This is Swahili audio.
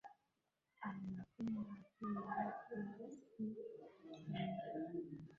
Anapenda kula viazi sana